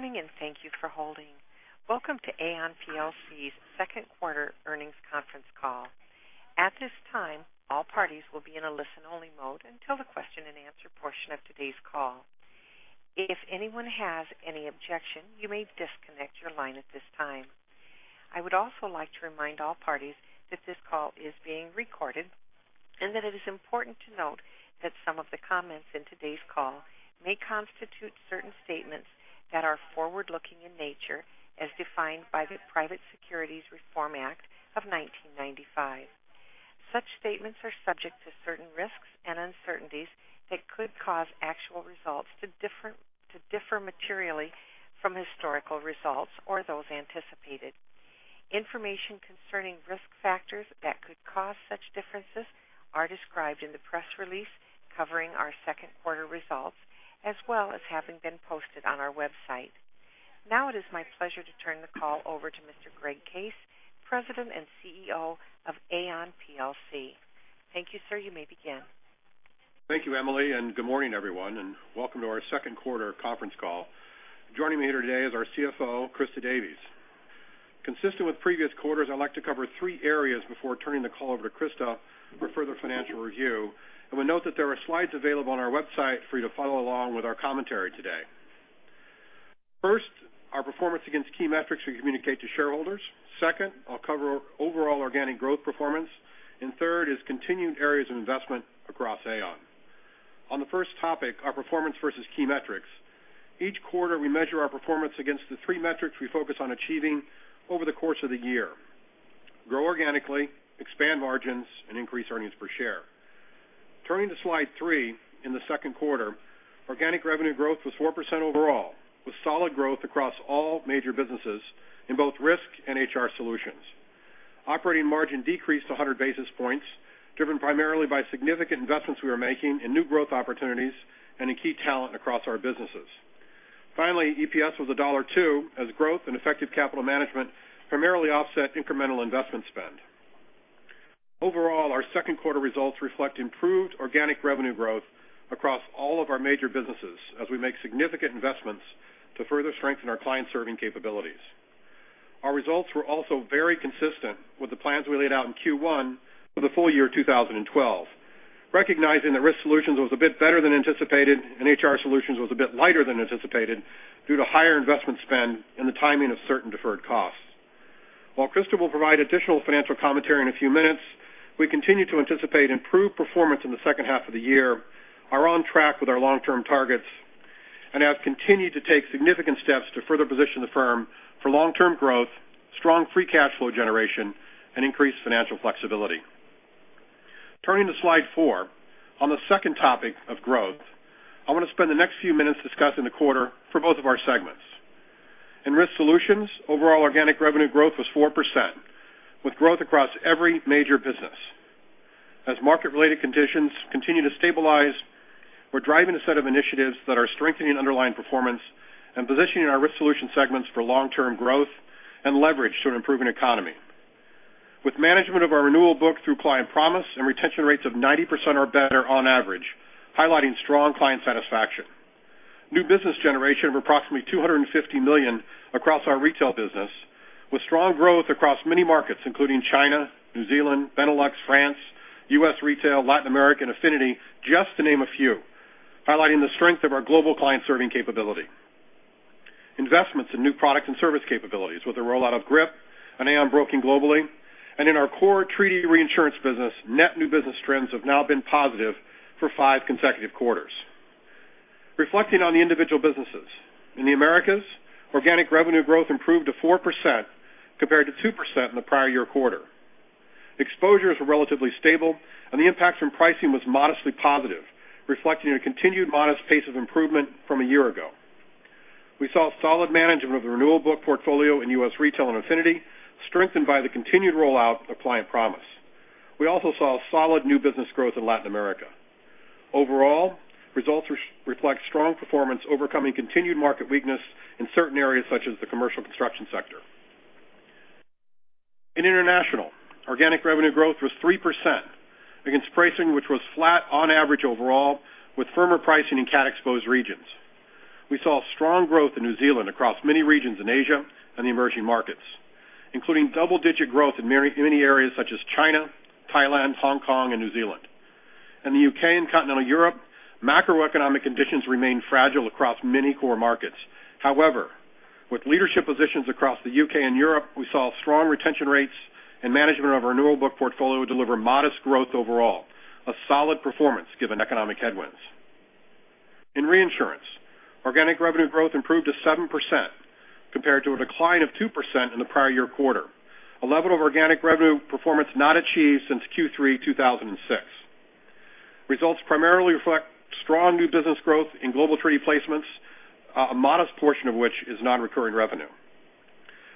Good morning, and thank you for holding. Welcome to Aon plc's second quarter earnings conference call. At this time, all parties will be in a listen-only mode until the question and answer portion of today's call. If anyone has any objection, you may disconnect your line at this time. I would also like to remind all parties that this call is being recorded, and that it is important to note that some of the comments in today's call may constitute certain statements that are forward-looking in nature, as defined by the Private Securities Litigation Reform Act of 1995. Such statements are subject to certain risks and uncertainties that could cause actual results to differ materially from historical results or those anticipated. Information concerning risk factors that could cause such differences are described in the press release covering our second quarter results, as well as having been posted on our website. It is my pleasure to turn the call over to Mr. Greg Case, President and CEO of Aon plc. Thank you, sir. You may begin. Thank you, Emily. Good morning, everyone, and welcome to our second quarter conference call. Joining me here today is our CFO, Christa Davies. Consistent with previous quarters, I'd like to cover three areas before turning the call over to Christa for further financial review. I would note that there are slides available on our website for you to follow along with our commentary today. First, our performance against key metrics we communicate to shareholders. Second, I'll cover overall organic growth performance. Third is continued areas of investment across Aon. On the first topic, our performance versus key metrics. Each quarter, we measure our performance against the three metrics we focus on achieving over the course of the year: grow organically, expand margins, and increase earnings per share. Turning to slide three, in the second quarter, organic revenue growth was 4% overall, with solid growth across all major businesses in both risk and HR Solutions. Operating margin decreased 100 basis points, driven primarily by significant investments we are making in new growth opportunities and in key talent across our businesses. Finally, EPS was $1.02, as growth and effective capital management primarily offset incremental investment spend. Overall, our second quarter results reflect improved organic revenue growth across all of our major businesses as we make significant investments to further strengthen our client-serving capabilities. Our results were also very consistent with the plans we laid out in Q1 for the full year 2012, recognizing that Risk Solutions was a bit better than anticipated, and HR Solutions was a bit lighter than anticipated due to higher investment spend and the timing of certain deferred costs. While Christa will provide additional financial commentary in a few minutes, we continue to anticipate improved performance in the second half of the year, are on track with our long-term targets, and have continued to take significant steps to further position the firm for long-term growth, strong free cash flow generation, and increased financial flexibility. Turning to slide four, on the second topic of growth, I want to spend the next few minutes discussing the quarter for both of our segments. In Risk Solutions, overall organic revenue growth was 4%, with growth across every major business. As market-related conditions continue to stabilize, we're driving a set of initiatives that are strengthening underlying performance and positioning our Risk Solutions segments for long-term growth and leverage to an improving economy. With management of our renewal book through Client Promise and retention rates of 90% or better on average, highlighting strong client satisfaction. New business generation of approximately $250 million across our retail business, with strong growth across many markets, including China, New Zealand, Benelux, France, U.S. retail, Latin America, and Affinity, just to name a few, highlighting the strength of our global client-serving capability. Investments in new product and service capabilities with the rollout of GRIP and Aon Broking globally, and in our core treaty reinsurance business, net new business trends have now been positive for five consecutive quarters. Reflecting on the individual businesses. In the Americas, organic revenue growth improved to 4% compared to 2% in the prior year quarter. Exposures were relatively stable, and the impact from pricing was modestly positive, reflecting a continued modest pace of improvement from a year ago. We saw solid management of the renewal book portfolio in U.S. retail and Affinity, strengthened by the continued rollout of Client Promise. We also saw solid new business growth in Latin America. Overall, results reflect strong performance overcoming continued market weakness in certain areas, such as the commercial construction sector. In international, organic revenue growth was 3% against pricing, which was flat on average overall, with firmer pricing in cat-exposed regions. We saw strong growth in New Zealand across many regions in Asia and the emerging markets, including double-digit growth in many areas such as China, Thailand, Hong Kong, and New Zealand. In the U.K. and continental Europe, macroeconomic conditions remain fragile across many core markets. However, with leadership positions across the U.K. and Europe, we saw strong retention rates and management of our renewal book portfolio deliver modest growth overall, a solid performance given economic headwinds. In reinsurance, organic revenue growth improved to 7% compared to a decline of 2% in the prior year quarter, a level of organic revenue performance not achieved since Q3 2006. Results primarily reflect strong new business growth in global treaty placements, a modest portion of which is non-recurring revenue.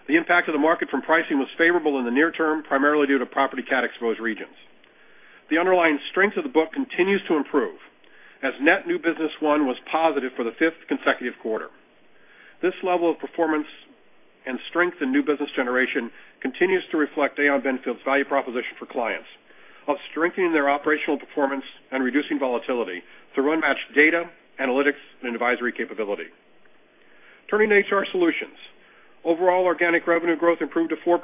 The impact of the market from pricing was favorable in the near term, primarily due to property cat-exposed regions. The underlying strength of the book continues to improve, as net new business won was positive for the fifth consecutive quarter. This level of performance Strength in new business generation continues to reflect Aon Benfield's value proposition for clients, while strengthening their operational performance and reducing volatility through unmatched data, analytics, and advisory capability. Turning to HR Solutions, overall organic revenue growth improved to 4%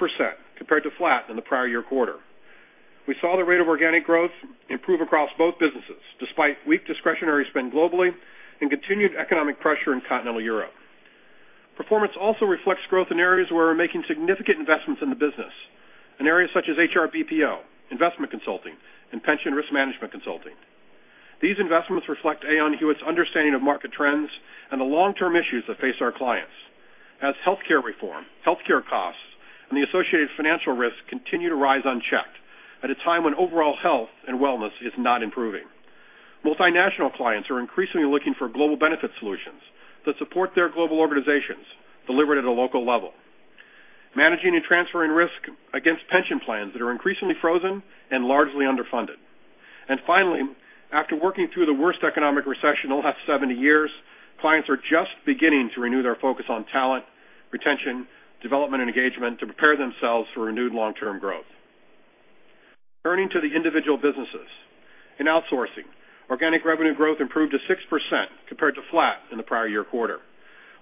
compared to flat in the prior year quarter. We saw the rate of organic growth improve across both businesses, despite weak discretionary spend globally and continued economic pressure in continental Europe. Performance also reflects growth in areas where we're making significant investments in the business, in areas such as HR BPO, investment consulting, and pension risk management consulting. These investments reflect Aon Hewitt's understanding of market trends and the long-term issues that face our clients, as healthcare reform, healthcare costs, and the associated financial risks continue to rise unchecked at a time when overall health and wellness is not improving. Multinational clients are increasingly looking for global benefit solutions that support their global organizations delivered at a local level, managing and transferring risk against pension plans that are increasingly frozen and largely underfunded. Finally, after working through the worst economic recession in the last 70 years, clients are just beginning to renew their focus on talent, retention, development, and engagement to prepare themselves for renewed long-term growth. Turning to the individual businesses. In outsourcing, organic revenue growth improved to 6% compared to flat in the prior year quarter.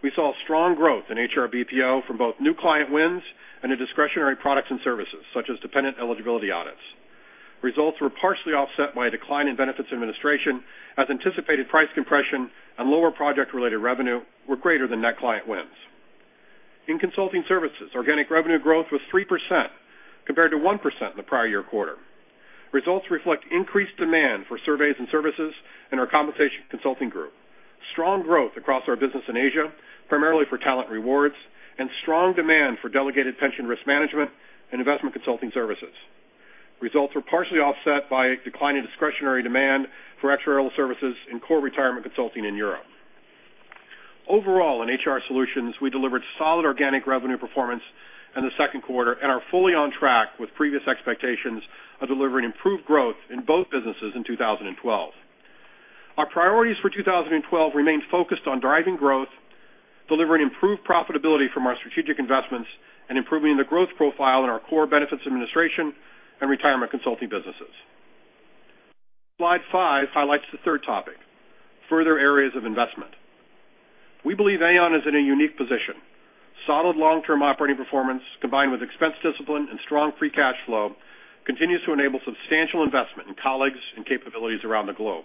We saw strong growth in HR BPO from both new client wins and in discretionary products and services such as dependent eligibility audits. Results were partially offset by a decline in benefits administration as anticipated price compression and lower project-related revenue were greater than net client wins. In consulting services, organic revenue growth was 3% compared to 1% in the prior year quarter. Results reflect increased demand for surveys and services in our compensation consulting group, strong growth across our business in Asia, primarily for talent rewards, and strong demand for delegated pension risk management and investment consulting services. Results were partially offset by a decline in discretionary demand for actuarial services in core retirement consulting in Europe. Overall, in HR Solutions, we delivered solid organic revenue performance in the second quarter and are fully on track with previous expectations of delivering improved growth in both businesses in 2012. Our priorities for 2012 remain focused on driving growth, delivering improved profitability from our strategic investments, and improving the growth profile in our core benefits administration and retirement consulting businesses. Slide five highlights the third topic, further areas of investment. We believe Aon is in a unique position. Solid long-term operating performance, combined with expense discipline and strong free cash flow, continues to enable substantial investment in colleagues and capabilities around the globe.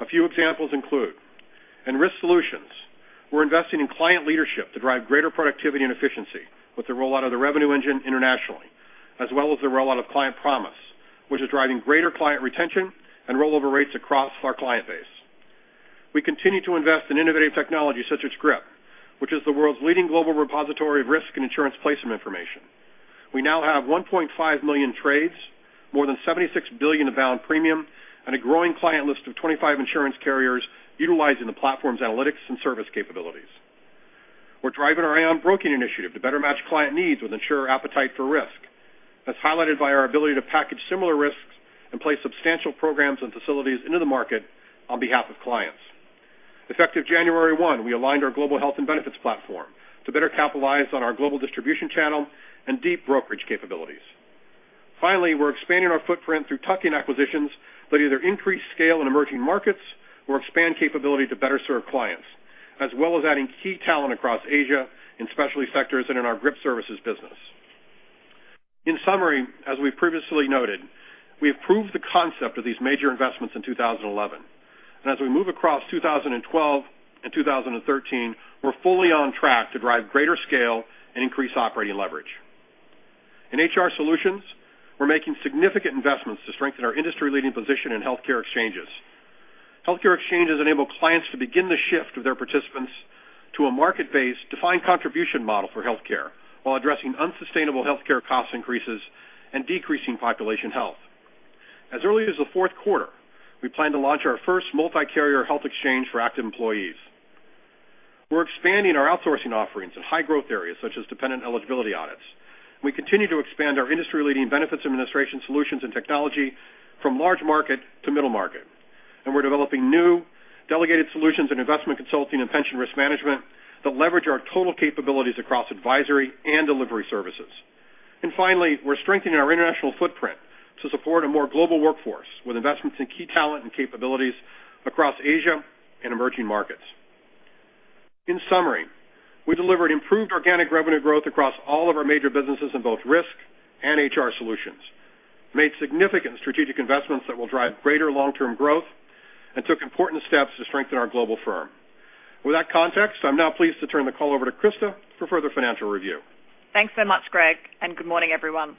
A few examples include, in Risk Solutions, we're investing in client leadership to drive greater productivity and efficiency with the rollout of the Revenue Engine internationally, as well as the rollout of Client Promise, which is driving greater client retention and rollover rates across our client base. We continue to invest in innovative technology such as GRIP, which is the world's leading global repository of risk and insurance placement information. We now have 1.5 million trades, more than $76 billion of bound premium, and a growing client list of 25 insurance carriers utilizing the platform's analytics and service capabilities. We're driving our Aon Broking initiative to better match client needs with insurer appetite for risk. That's highlighted by our ability to package similar risks and place substantial programs and facilities into the market on behalf of clients. Effective January 1, we aligned our global health and benefits platform to better capitalize on our global distribution channel and deep brokerage capabilities. Finally, we're expanding our footprint through tuck-in acquisitions that either increase scale in emerging markets or expand capability to better serve clients, as well as adding key talent across Asia, in specialty sectors, and in our GRIP services business. In summary, as we've previously noted, we have proved the concept of these major investments in 2011. As we move across 2012 and 2013, we're fully on track to drive greater scale and increase operating leverage. In HR Solutions, we're making significant investments to strengthen our industry-leading position in healthcare exchanges. Healthcare exchanges enable clients to begin the shift of their participants to a market-based defined contribution model for healthcare while addressing unsustainable healthcare cost increases and decreasing population health. As early as the fourth quarter, we plan to launch our first multi-carrier health exchange for active employees. We're expanding our outsourcing offerings in high-growth areas such as dependent eligibility audits. We continue to expand our industry-leading benefits administration solutions and technology from large market to middle market. We're developing new delegated solutions in investment consulting and pension risk management that leverage our total capabilities across advisory and delivery services. Finally, we're strengthening our international footprint to support a more global workforce with investments in key talent and capabilities across Asia and emerging markets. In summary, we delivered improved organic revenue growth across all of our major businesses in both risk and HR Solutions, made significant strategic investments that will drive greater long-term growth, and took important steps to strengthen our global firm. With that context, I'm now pleased to turn the call over to Christa for further financial review. Thanks so much, Greg, and good morning, everyone.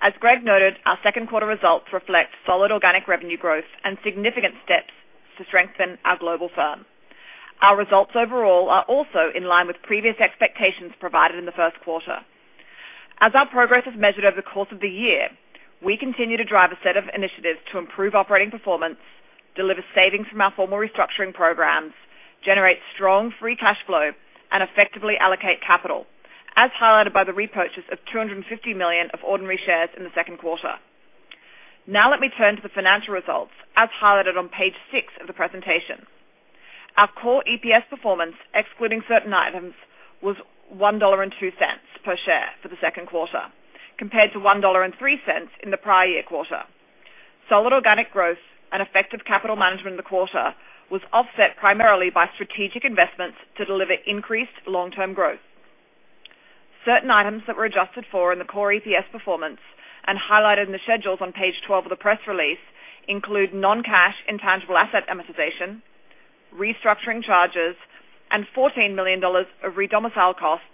As Greg noted, our second quarter results reflect solid organic revenue growth and significant steps to strengthen our global firm. Our results overall are also in line with previous expectations provided in the first quarter. As our progress is measured over the course of the year, we continue to drive a set of initiatives to improve operating performance, deliver savings from our formal restructuring programs, generate strong free cash flow, and effectively allocate capital, as highlighted by the repurchase of 250 million of ordinary shares in the second quarter. Now let me turn to the financial results, as highlighted on page six of the presentation. Our core EPS performance, excluding certain items, was $1.02 per share for the second quarter, compared to $1.03 in the prior year quarter. Solid organic growth and effective capital management in the quarter was offset primarily by strategic investments to deliver increased long-term growth. Certain items that were adjusted for in the core EPS performance and highlighted in the schedules on page 12 of the press release include non-cash intangible asset amortization, restructuring charges, and $14 million of re-domicile costs,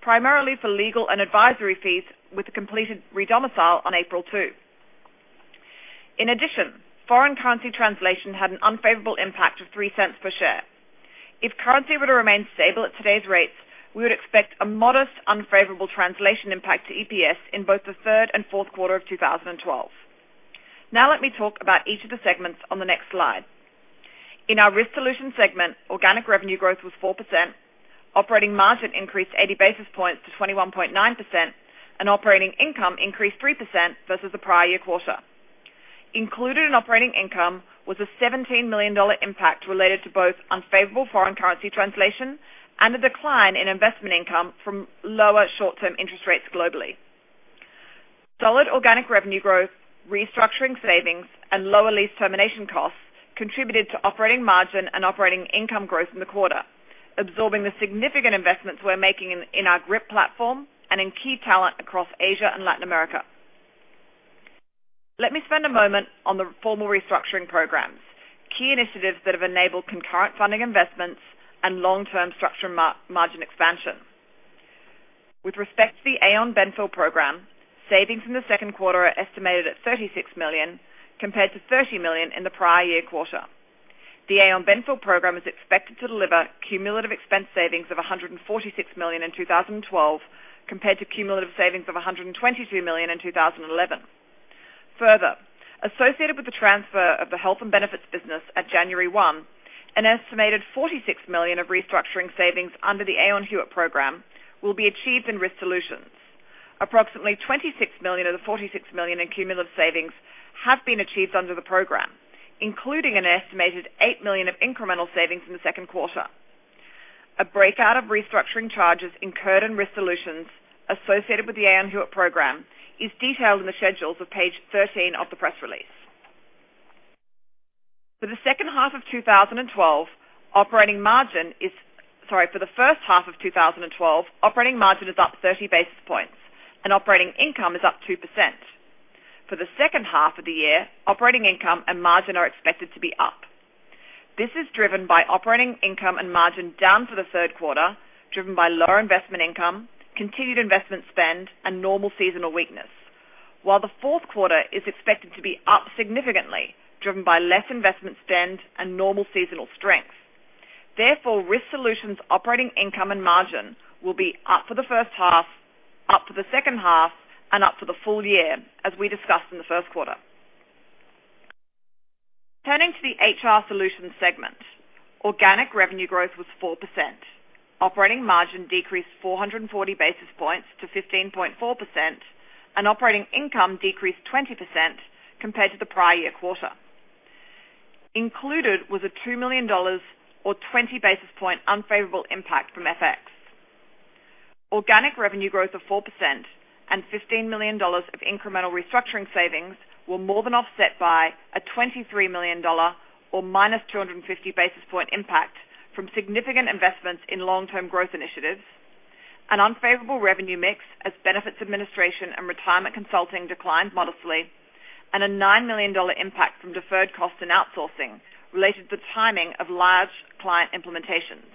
primarily for legal and advisory fees with the completed re-domicile on April 2. In addition, foreign currency translation had an unfavorable impact of $0.03 per share. If currency were to remain stable at today's rates, we would expect a modest unfavorable translation impact to EPS in both the third and fourth quarter of 2012. Let me talk about each of the segments on the next slide. In our Aon Risk Solutions segment, organic revenue growth was 4%, operating margin increased 80 basis points to 21.9%, and operating income increased 3% versus the prior year quarter. Included in operating income was a $17 million impact related to both unfavorable foreign currency translation and a decline in investment income from lower short-term interest rates globally. Solid organic revenue growth, restructuring savings, and lower lease termination costs contributed to operating margin and operating income growth in the quarter, absorbing the significant investments we're making in our GRIP platform and in key talent across Asia and Latin America. Let me spend a moment on the formal restructuring programs, key initiatives that have enabled concurrent funding investments and long-term structural margin expansion. With respect to the Aon Benfield program, savings in the second quarter are estimated at $36 million, compared to $30 million in the prior year quarter. The Aon Benfield program is expected to deliver cumulative expense savings of $146 million in 2012, compared to cumulative savings of $122 million in 2011. Further, associated with the transfer of the health and benefits business at January 1, an estimated $46 million of restructuring savings under the Aon Hewitt program will be achieved in Aon Risk Solutions. Approximately $26 million of the $46 million in cumulative savings have been achieved under the program, including an estimated $8 million of incremental savings in the second quarter. A breakout of restructuring charges incurred in Aon Risk Solutions associated with the Aon Hewitt program is detailed in the schedules of page 13 of the press release. For the first half of 2012, operating margin is up 30 basis points and operating income is up 2%. For the second half of the year, operating income and margin are expected to be up. This is driven by operating income and margin down for the third quarter, driven by lower investment income, continued investment spend, and normal seasonal weakness. While the fourth quarter is expected to be up significantly, driven by less investment spend and normal seasonal strength. Therefore, Aon Risk Solutions operating income and margin will be up for the first half, up for the second half and up for the full year, as we discussed in the first quarter. Turning to the HR Solutions segment, organic revenue growth was 4%. Operating margin decreased 440 basis points to 15.4%, and operating income decreased 20% compared to the prior year quarter. Included was a $2 million or 20 basis point unfavorable impact from FX. Organic revenue growth of 4% and $15 million of incremental restructuring savings were more than offset by a $23 million or -250 basis point impact from significant investments in long-term growth initiatives, an unfavorable revenue mix as benefits administration and retirement consulting declined modestly, and a $9 million impact from deferred costs and outsourcing related to timing of large client implementations.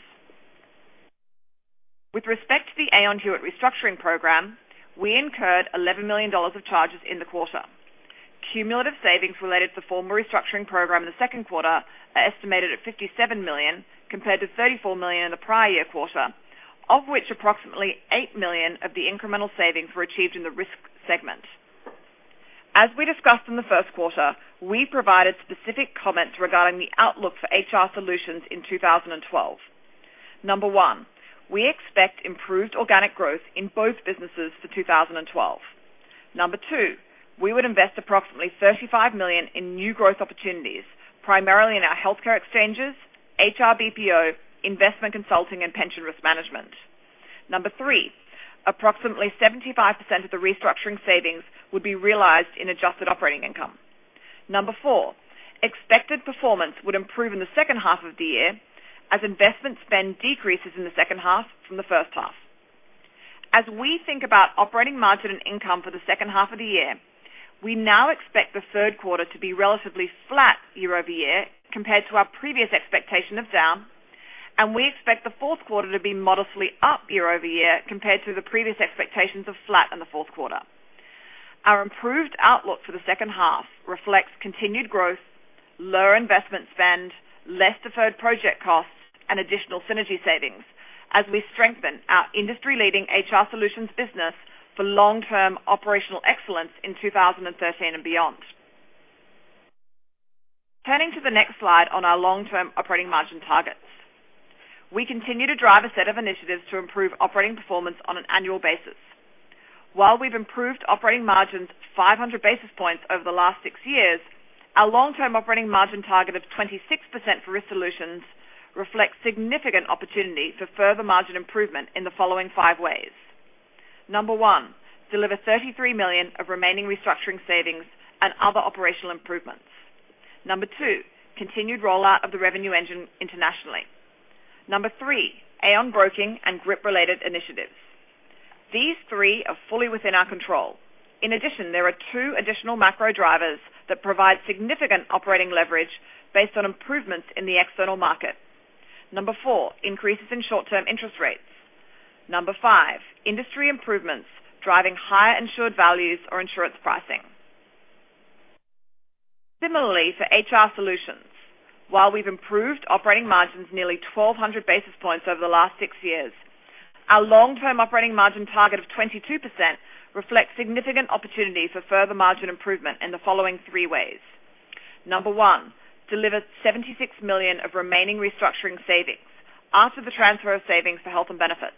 With respect to the Aon Hewitt restructuring program, we incurred $11 million of charges in the quarter. Cumulative savings related to the formal restructuring program in the second quarter are estimated at $57 million, compared to $34 million in the prior year quarter, of which approximately $8 million of the incremental savings were achieved in the Risk segment. As we discussed in the first quarter, we provided specific comments regarding the outlook for HR Solutions in 2012. Number one, we expect improved organic growth in both businesses for 2012. Number two, we would invest approximately $35 million in new growth opportunities, primarily in our healthcare exchanges, HR BPO, investment consulting, and pension risk management. Number three, approximately 75% of the restructuring savings would be realized in adjusted operating income. Number four, expected performance would improve in the second half of the year as investment spend decreases in the second half from the first half. As we think about operating margin and income for the second half of the year, we now expect the third quarter to be relatively flat year-over-year compared to our previous expectation of down, and we expect the fourth quarter to be modestly up year-over-year compared to the previous expectations of flat in the fourth quarter. Our improved outlook for the second half reflects continued growth, lower investment spend, less deferred project costs, and additional synergy savings as we strengthen our industry-leading HR Solutions business for long-term operational excellence in 2013 and beyond. Turning to the next slide on our long-term operating margin targets. We continue to drive a set of initiatives to improve operating performance on an annual basis. While we've improved operating margins 500 basis points over the last six years, our long-term operating margin target of 26% for Risk Solutions reflects significant opportunity for further margin improvement in the following five ways. Number one, deliver $33 million of remaining restructuring savings and other operational improvements. Number two, continued rollout of the Revenue Engine internationally. Number three, Aon Broking and group-related initiatives. These three are fully within our control. In addition, there are two additional macro drivers that provide significant operating leverage based on improvements in the external market. Number four, increases in short-term interest rates. Number five, industry improvements driving higher insured values or insurance pricing. Similarly for HR Solutions, while we've improved operating margins nearly 1,200 basis points over the last six years, our long-term operating margin target of 22% reflects significant opportunity for further margin improvement in the following three ways. Number one, deliver $76 million of remaining restructuring savings after the transfer of savings for health and benefits.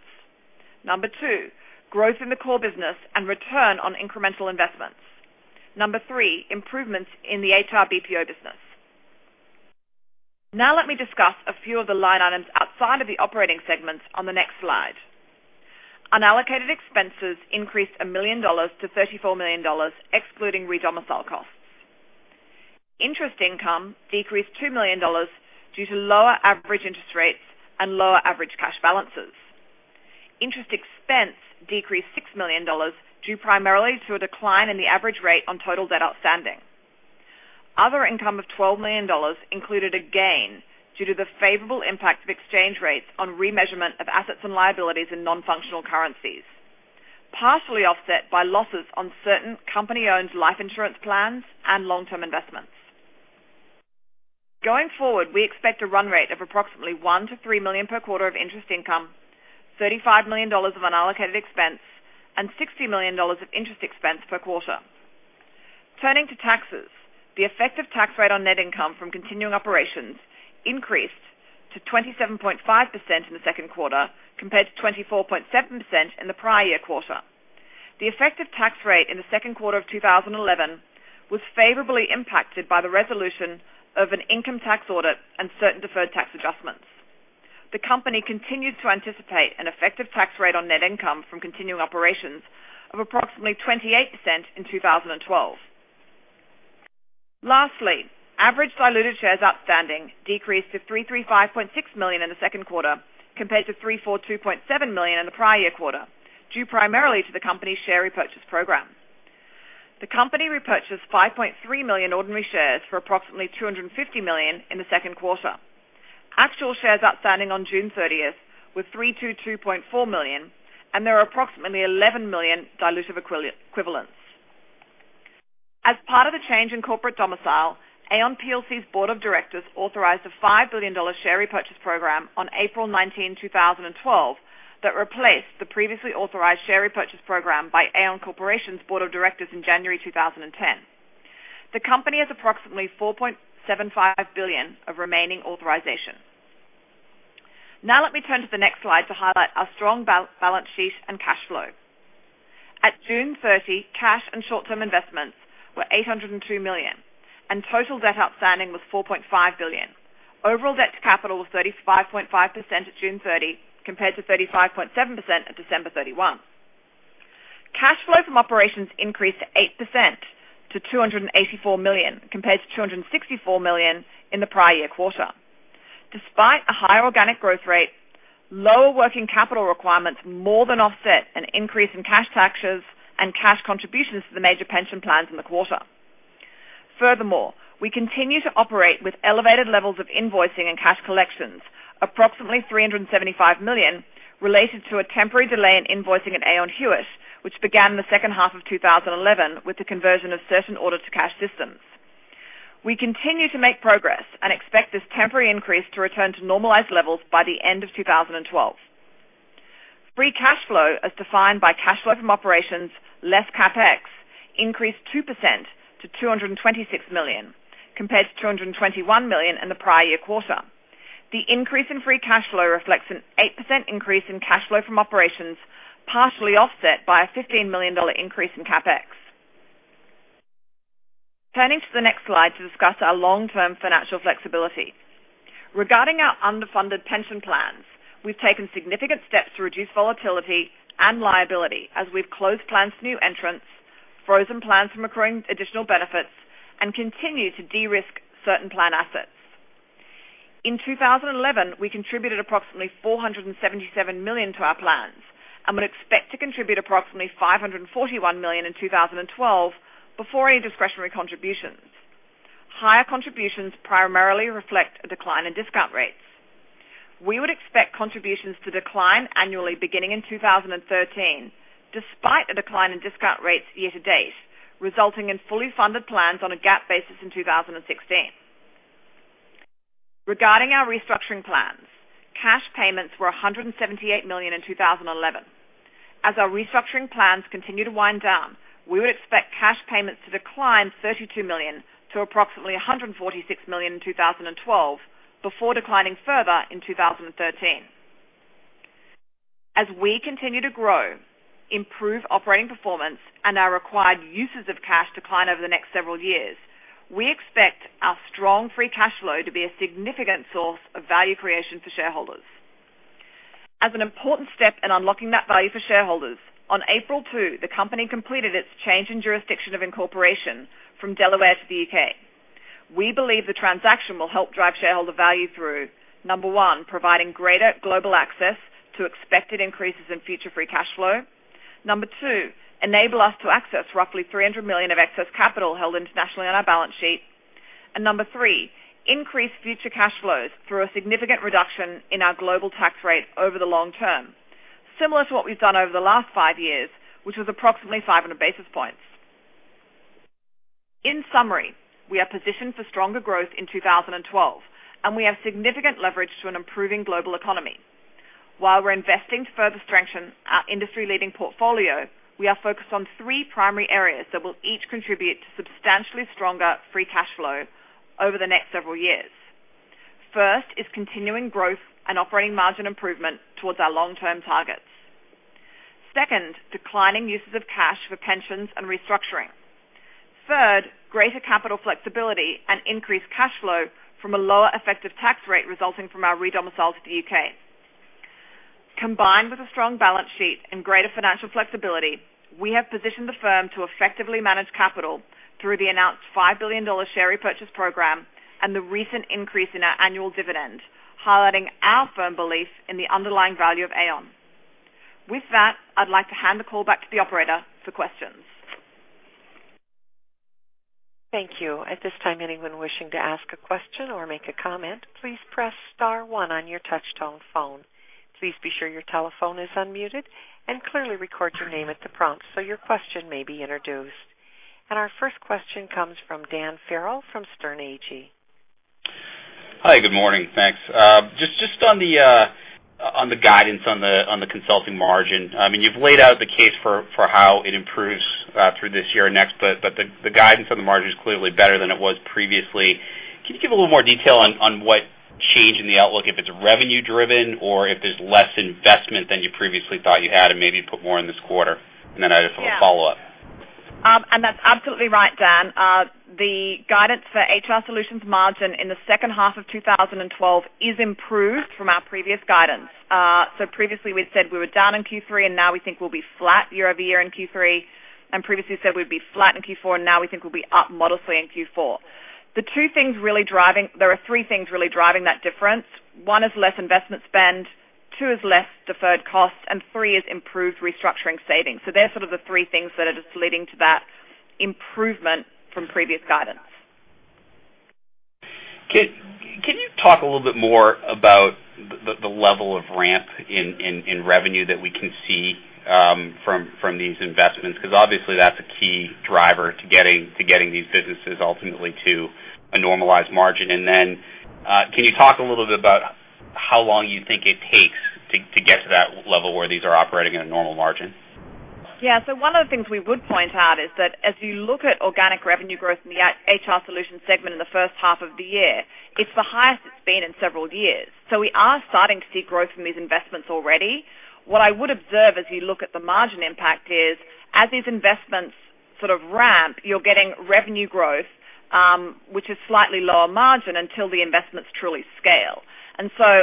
Number two, growth in the core business and return on incremental investments. Number three, improvements in the HR BPO business. Now let me discuss a few of the line items outside of the operating segments on the next slide. Unallocated expenses increased $1 million to $34 million, excluding redomicile costs. Interest income decreased $2 million due to lower average interest rates and lower average cash balances. Interest expense decreased $6 million due primarily to a decline in the average rate on total debt outstanding. Other income of $12 million included a gain due to the favorable impact of exchange rates on remeasurement of assets and liabilities in non-functional currencies, partially offset by losses on certain company-owned life insurance plans and long-term investments. Going forward, we expect a run rate of approximately $1 million-$3 million per quarter of interest income, $35 million of unallocated expense, and $60 million of interest expense per quarter. Turning to taxes, the effective tax rate on net income from continuing operations increased to 27.5% in the second quarter, compared to 24.7% in the prior year quarter. The effective tax rate in the second quarter of 2011 was favorably impacted by the resolution of an income tax audit and certain deferred tax adjustments. The company continued to anticipate an effective tax rate on net income from continuing operations of approximately 28% in 2012. Lastly, average diluted shares outstanding decreased to 335.6 million in the second quarter compared to 342.7 million in the prior year quarter, due primarily to the company's share repurchase program. The company repurchased 5.3 million ordinary shares for approximately $250 million in the second quarter. Actual shares outstanding on June 30th were 322.4 million, and there are approximately 11 million dilutive equivalents. As part of the change in corporate domicile, Aon plc's board of directors authorized a $5 billion share repurchase program on April 19, 2012 that replaced the previously authorized share repurchase program by Aon Corporation's board of directors in January 2010. The company has approximately $4.75 billion of remaining authorization. Now let me turn to the next slide to highlight our strong balance sheet and cash flow. At June 30, cash and short-term investments were $802 million, and total debt outstanding was $4.5 billion. Overall debt to capital was 35.5% at June 30, compared to 35.7% at December 31. Cash flow from operations increased 8% to $284 million, compared to $264 million in the prior year quarter. Despite a higher organic growth rate, lower working capital requirements more than offset an increase in cash taxes and cash contributions to the major pension plans in the quarter. Furthermore, we continue to operate with elevated levels of invoicing and cash collections, approximately $375 million, related to a temporary delay in invoicing at Aon Hewitt, which began the second half of 2011 with the conversion of certain order to cash systems. We continue to make progress and expect this temporary increase to return to normalized levels by the end of 2012. Free cash flow, as defined by cash flow from operations, less CapEx, increased 2% to $226 million, compared to $221 million in the prior year quarter. The increase in free cash flow reflects an 8% increase in cash flow from operations, partially offset by a $15 million increase in CapEx. Turning to the next slide to discuss our long-term financial flexibility. Regarding our underfunded pension plans, we've taken significant steps to reduce volatility and liability as we've closed plans to new entrants, frozen plans from accruing additional benefits, and continue to de-risk certain plan assets. In 2011, we contributed approximately $477 million to our plans and would expect to contribute approximately $541 million in 2012 before any discretionary contributions. Higher contributions primarily reflect a decline in discount rates. We would expect contributions to decline annually beginning in 2013, despite a decline in discount rates year to date, resulting in fully funded plans on a GAAP basis in 2016. Regarding our restructuring plans, cash payments were $178 million in 2011. As our restructuring plans continue to wind down, we would expect cash payments to decline $32 million to approximately $146 million in 2012, before declining further in 2013. As we continue to grow, improve operating performance, and our required uses of cash decline over the next several years, we expect our strong free cash flow to be a significant source of value creation for shareholders. As an important step in unlocking that value for shareholders, on April 2, the company completed its change in jurisdiction of incorporation from Delaware to the U.K. We believe the transaction will help drive shareholder value through, number one, providing greater global access to expected increases in future free cash flow. Number two, enable us to access roughly $300 million of excess capital held internationally on our balance sheet. Number three, increase future cash flows through a significant reduction in our global tax rate over the long term, similar to what we've done over the last five years, which was approximately 500 basis points. In summary, we are positioned for stronger growth in 2012, and we have significant leverage to an improving global economy. While we're investing to further strengthen our industry-leading portfolio, we are focused on three primary areas that will each contribute to substantially stronger free cash flow over the next several years. First is continuing growth and operating margin improvement towards our long-term targets. Second, declining uses of cash for pensions and restructuring. Third, greater capital flexibility and increased cash flow from a lower effective tax rate resulting from our redomicile to the U.K. Combined with a strong balance sheet and greater financial flexibility, we have positioned the firm to effectively manage capital through the announced $5 billion share repurchase program and the recent increase in our annual dividend, highlighting our firm belief in the underlying value of Aon. With that, I'd like to hand the call back to the operator for questions. Thank you. At this time, anyone wishing to ask a question or make a comment, please press *1 on your touch-tone phone. Please be sure your telephone is unmuted, and clearly record your name at the prompt so your question may be introduced. Our first question comes from Dan Farrell from Sterne Agee. Hi, good morning. Thanks. Just on the guidance on the consulting margin, you've laid out the case for how it improves through this year and next, but the guidance on the margin is clearly better than it was previously. Can you give a little more detail on what change in the outlook, if it's revenue driven or if there's less investment than you previously thought you had and maybe put more in this quarter? I just have a follow-up. That's absolutely right, Dan. The guidance for HR Solutions margin in the second half of 2012 is improved from our previous guidance. Previously, we said we were down in Q3, and now we think we'll be flat year-over-year in Q3. Previously said we'd be flat in Q4, and now we think we'll be up modestly in Q4. There are three things really driving that difference. One is less investment spend, two is less deferred costs, and three is improved restructuring savings. They're sort of the three things that are just leading to that improvement from previous guidance. Can you talk a little bit more about the level of ramp in revenue that we can see from these investments? Because obviously that's a key driver to getting these businesses ultimately to a normalized margin. Can you talk a little bit about how long you think it takes to get to that level where these are operating at a normal margin? Yeah. One of the things we would point out is that as you look at organic revenue growth in the HR Solutions segment in the first half of the year, it's the highest it's been in several years. We are starting to see growth from these investments already. What I would observe as you look at the margin impact is as these investments sort of ramp, you're getting revenue growth, which is slightly lower margin until the investments truly scale.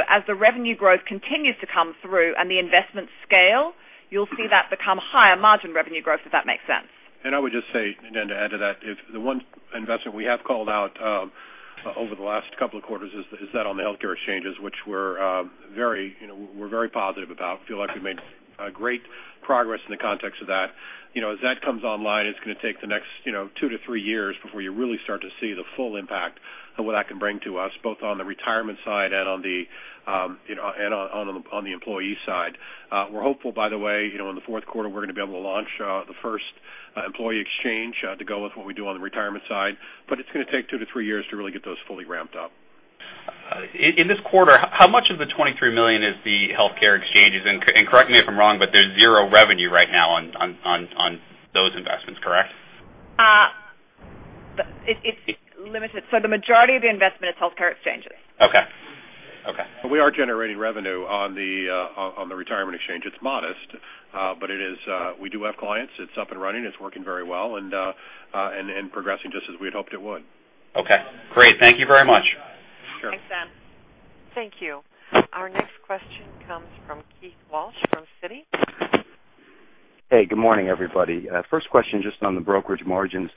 As the revenue growth continues to come through and the investments scale, you'll see that become higher margin revenue growth, if that makes sense. I would just say, to add to that, the one investment we have called out over the last couple of quarters is on the healthcare exchanges, which we're very positive about. Feel like we've made great progress in the context of that. As that comes online, it's going to take the next 2 to 3 years before you really start to see the full impact of what that can bring to us, both on the retirement side and on the employee side. We're hopeful, by the way, in the fourth quarter, we're going to be able to launch the first employee exchange to go with what we do on the retirement side. It's going to take 2 to 3 years to really get those fully ramped up. In this quarter, how much of the $23 million is the healthcare exchanges? Correct me if I'm wrong, there's 0 revenue right now on those investments, correct? It's limited. The majority of the investment is healthcare exchanges. Okay. We are generating revenue on the retirement exchange. It's modest, but we do have clients. It's up and running. It's working very well and progressing just as we had hoped it would. Okay, great. Thank you very much. Sure. Thanks, Dan. Thank you. Our next question comes from Keith Walsh from Citi. Hey, good morning, everybody. First question, just on the brokerage margins.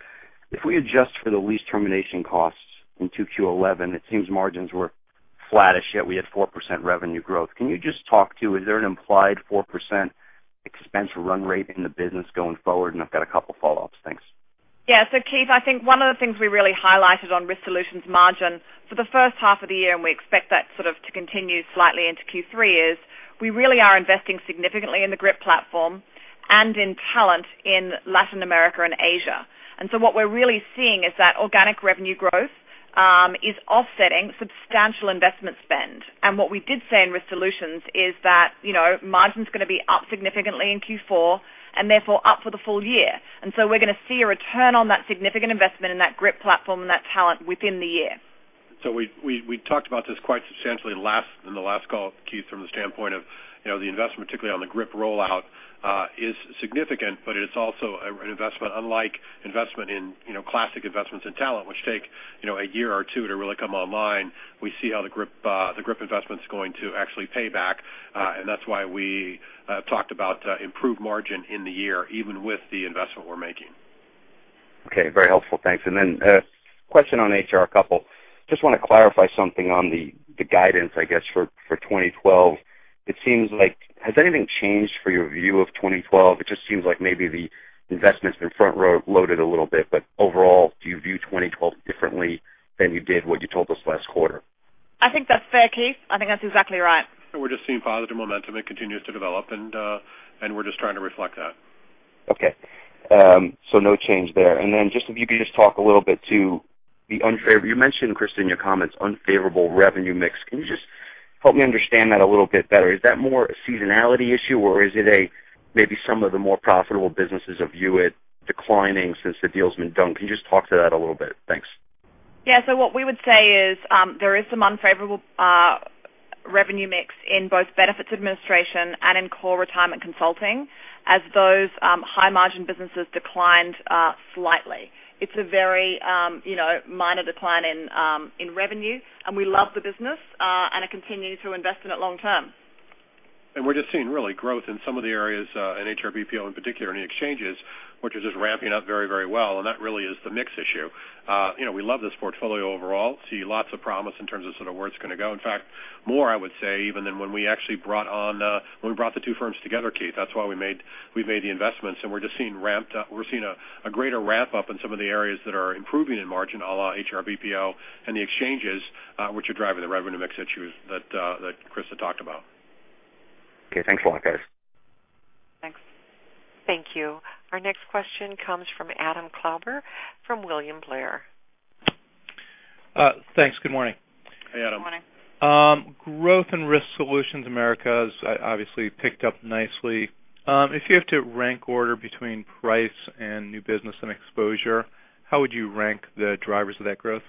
If we adjust for the lease termination costs in 2Q 2011, it seems margins were flattish, yet we had 4% revenue growth. Can you just talk to, is there an implied 4% expense run rate in the business going forward? I've got a couple follow-ups. Thanks. Yeah. Keith, I think one of the things we really highlighted on Aon Risk Solutions margin for the first half of the year, and we expect that sort of to continue slightly into Q3, is we really are investing significantly in the GRIP platform and in talent in Latin America and Asia. What we're really seeing is that organic revenue growth is offsetting substantial investment spend. What we did say in Aon Risk Solutions is that margin is going to be up significantly in Q4 and therefore up for the full year. We're going to see a return on that significant investment in that GRIP platform and that talent within the year. We talked about this quite substantially in the last call, Keith, from the standpoint of the investment, particularly on the GRIP rollout, is significant, but it's also an investment unlike investment in classic investments in talent, which take a year or two to really come online. We see how the GRIP investment's going to actually pay back, that's why we talked about improved margin in the year, even with the investment we're making. Okay. Very helpful. Thanks. A question on HR, a couple. Just want to clarify something on the guidance, I guess, for 2012. It seems like, has anything changed for your view of 2012? It just seems like maybe the investment's been front-loaded a little bit. Overall, do you view 2012 differently than you did what you told us last quarter? I think that's fair, Keith. I think that's exactly right. We're just seeing positive momentum. It continues to develop, we're just trying to reflect that. Okay. No change there. Just if you could just talk a little bit to the unfavorable, you mentioned, Christa, in your comments, unfavorable revenue mix. Can you just help me understand that a little bit better? Is that more a seasonality issue, or is it maybe some of the more profitable businesses of Hewitt declining since the deal's been done? Can you just talk to that a little bit? Thanks. Yeah. What we would say is there is some unfavorable revenue mix in both benefits administration and in core retirement consulting as those high-margin businesses declined slightly. It's a very minor decline in revenue, we love the business, and are continuing to invest in it long term. We're just seeing really growth in some of the areas in HR BPO, in particular in the exchanges, which is just ramping up very well, and that really is the mix issue. We love this portfolio overall, see lots of promise in terms of sort of where it's going to go. In fact, more I would say even than when we actually brought the two firms together, Keith. That's why we made the investments, we're just seeing a greater ramp-up in some of the areas that are improving in margin a la HR BPO and the exchanges, which are driving the revenue mix issues that Christa talked about. Okay. Thanks a lot, guys. Thanks. Thank you. Our next question comes from Adam Klauber from William Blair. Thanks. Good morning. Hey, Adam. Good morning. Growth in Risk Solutions Americas obviously picked up nicely. If you have to rank order between price and new business and exposure, how would you rank the drivers of that growth?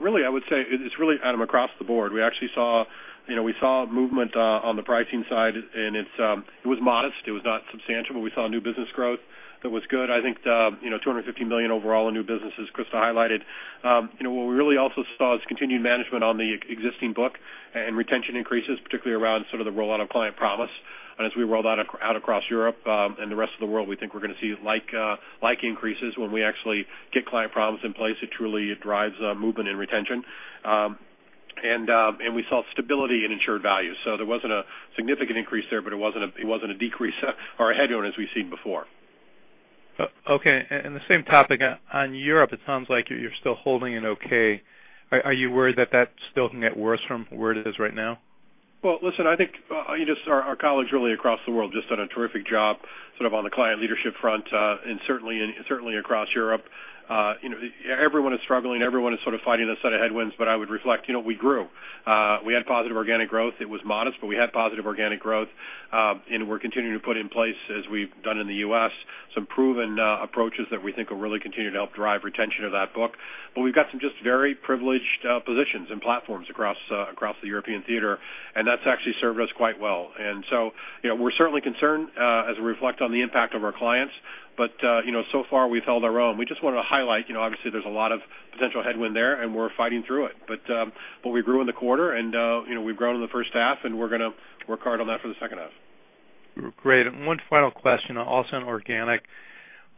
Really, I would say it's really, Adam, across the board. We actually saw movement on the pricing side. It was modest. It was not substantial. We saw new business growth that was good. I think, $250 million overall in new business, as Christa highlighted. What we really also saw is continued management on the existing book and retention increases, particularly around sort of the rollout of Client Promise. As we roll out across Europe and the rest of the world, we think we're going to see like increases when we actually get Client Promise in place. It truly drives movement and retention. We saw stability in insured value. There wasn't a significant increase there, but it wasn't a decrease or a headwind as we've seen before. Okay. In the same topic, on Europe, it sounds like you're still holding an okay. Are you worried that that still can get worse from where it is right now? I think our colleagues really across the world just done a terrific job sort of on the client leadership front, and certainly across Europe. Everyone is struggling. Everyone is sort of fighting a set of headwinds. I would reflect, we grew. We had positive organic growth. It was modest, but we had positive organic growth. We're continuing to put in place, as we've done in the U.S., some proven approaches that we think will really continue to help drive retention of that book. We've got some just very privileged positions and platforms across the European theater, and that's actually served us quite well. We're certainly concerned as we reflect on the impact of our clients. So far we've held our own. We just want to highlight, obviously, there's a lot of potential headwind there, and we're fighting through it. We grew in the quarter, and we've grown in the first half, and we're going to work hard on that for the second half. Great. One final question, also on organic.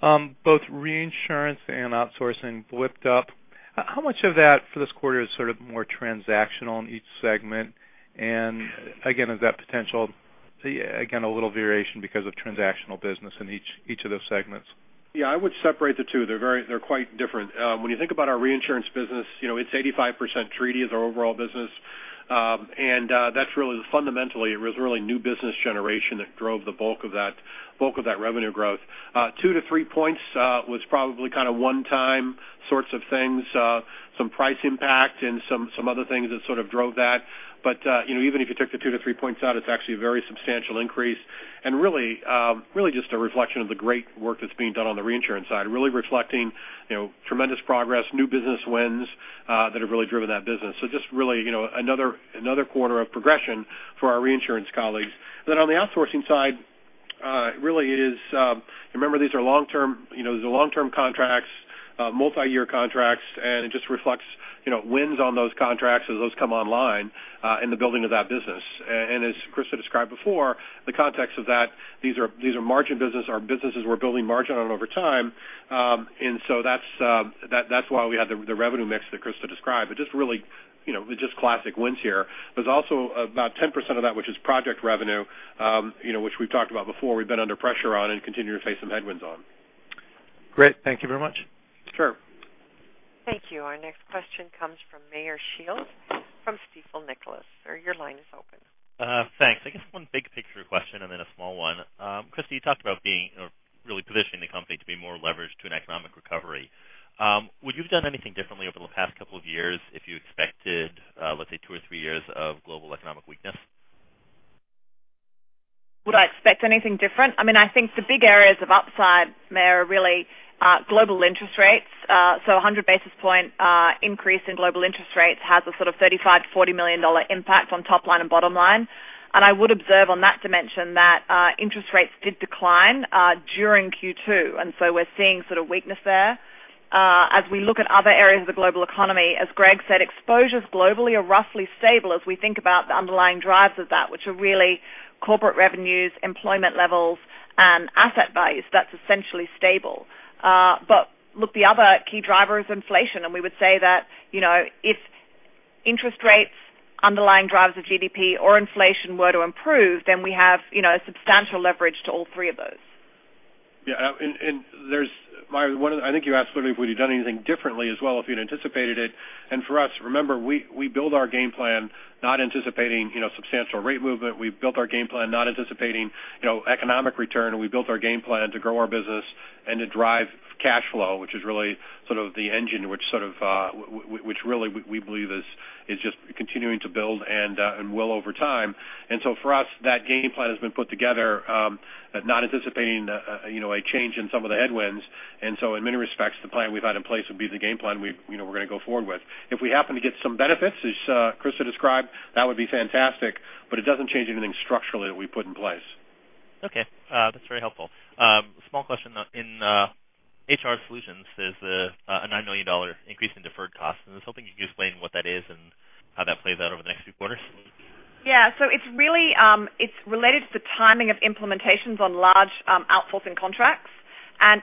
Both reinsurance and outsourcing blipped up. How much of that for this quarter is sort of more transactional in each segment? Again, is that potential, again, a little variation because of transactional business in each of those segments? I would separate the two. They're quite different. When you think about our reinsurance business, it's 85% treaty as our overall business. That's really the fundamentally, it was really new business generation that drove the bulk of that revenue growth. 2-3 points was probably kind of one-time sorts of things, some price impact and some other things that sort of drove that. Even if you took the 2-3 points out, it's actually a very substantial increase. Really just a reflection of the great work that's being done on the reinsurance side, really reflecting tremendous progress, new business wins that have really driven that business. Just really another quarter of progression for our reinsurance colleagues. On the outsourcing side, it really is, remember, these are long-term contracts, multi-year contracts, and it just reflects wins on those contracts as those come online in the building of that business. As Christa described before, the context of that, these are margin business. Our businesses we're building margin on over time. So that's why we had the revenue mix that Christa described, but just really, just classic wins here. There's also about 10% of that, which is project revenue which we've talked about before, we've been under pressure on and continue to face some headwinds on. Great. Thank you very much. Sure. Thank you. Our next question comes from Meyer Shields. From Stifel Nicolaus. Sir, your line is open. Thanks. I guess one big picture question and then a small one. Christa, you talked about really positioning the company to be more leveraged to an economic recovery. Would you have done anything differently over the past couple of years if you expected, let's say, two or three years of global economic weakness? Would I expect anything different? I think the big areas of upside there are really global interest rates. A 100 basis point increase in global interest rates has a sort of $35 million-$40 million impact on top line and bottom line. I would observe on that dimension that interest rates did decline during Q2, we are seeing sort of weakness there. As we look at other areas of the global economy, as Greg said, exposures globally are roughly stable as we think about the underlying drivers of that, which are really corporate revenues, employment levels, and asset values. That is essentially stable. Look, the other key driver is inflation. We would say that if interest rates, underlying drivers of GDP or inflation were to improve, then we have a substantial leverage to all three of those. Yeah. I think you asked, literally, would you done anything differently as well if you had anticipated it. For us, remember, we build our game plan not anticipating substantial rate movement. We have built our game plan not anticipating economic return. We have built our game plan to grow our business and to drive cash flow, which is really the engine, which really, we believe is just continuing to build and will over time. For us, that game plan has been put together not anticipating a change in some of the headwinds. In many respects, the plan we have had in place would be the game plan we are going to go forward with. If we happen to get some benefits, as Christa described, that would be fantastic, but it does not change anything structurally that we have put in place. Okay. That is very helpful. Small question. In HR Solutions, there is a $9 million increase in deferred costs. I was hoping you could explain what that is and how that plays out over the next few quarters. Yeah. It is related to the timing of implementations on large outsourcing contracts.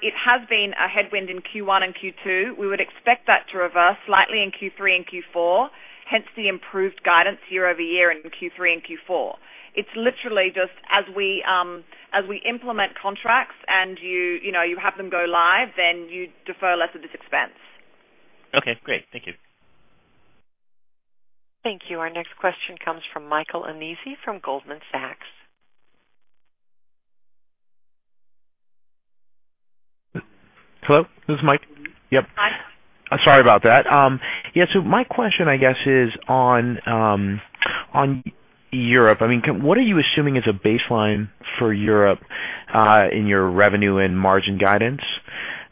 It has been a headwind in Q1 and Q2. We would expect that to reverse slightly in Q3 and Q4, hence the improved guidance year-over-year in Q3 and Q4. It is literally just as we implement contracts and you have them go live, you defer less of this expense. Okay, great. Thank you. Thank you. Our next question comes from Michael Nannizzi from Goldman Sachs. Hello, this is Mike. Yep. Hi. My question, I guess, is on Europe. What are you assuming is a baseline for Europe, in your revenue and margin guidance?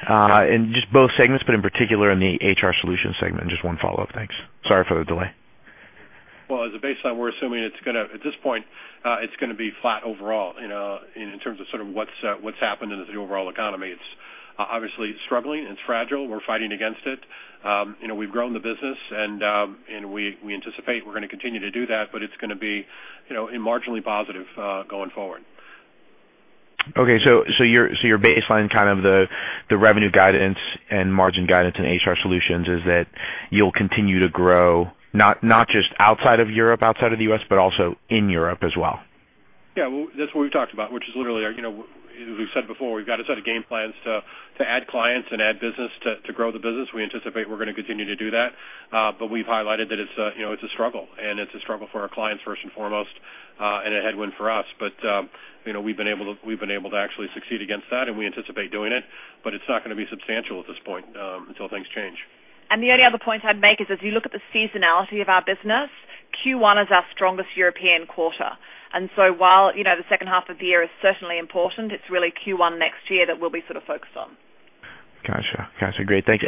In just both segments, but in particular in the HR Solutions segment. Just one follow-up. Thanks. Sorry for the delay. Well, as a baseline, we're assuming, at this point, it's going to be flat overall in terms of what's happened in the overall economy. It's obviously struggling and fragile. We're fighting against it. We've grown the business, and we anticipate we're going to continue to do that, but it's going to be marginally positive going forward. Okay, your baseline, kind of the revenue guidance and margin guidance in HR Solutions is that you'll continue to grow not just outside of Europe, outside of the U.S., but also in Europe as well. Yeah. Well, that's what we've talked about, which is literally, as we've said before, we've got a set of game plans to add clients and add business to grow the business. We anticipate we're going to continue to do that. We've highlighted that it's a struggle, and it's a struggle for our clients first and foremost, and a headwind for us. We've been able to actually succeed against that, and we anticipate doing it, but it's not going to be substantial at this point until things change. The only other point I'd make is if you look at the seasonality of our business, Q1 is our strongest European quarter. While the second half of the year is certainly important, it's really Q1 next year that we'll be sort of focused on. Got you. Great, thanks.